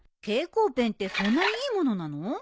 蛍光ペンってそんなにいいものなの？